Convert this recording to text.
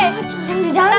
yang di jatan lah